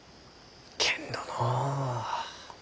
けんどのう。